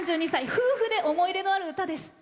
夫婦で思い入れのある歌です。